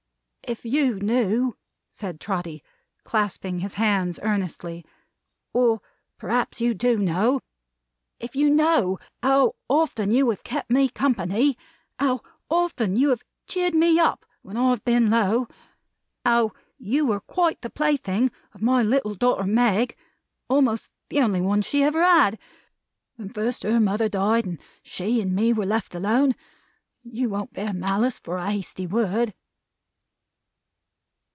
"If you knew," said Trotty, clasping his hands earnestly "or perhaps you do know if you know how often you have kept me company; how often you have cheered me up when I've been low; how you were quite the plaything of my little daughter Meg (almost the only one she ever had) when first her mother died, and she and me were left alone; you won't bear malice for a hasty word!"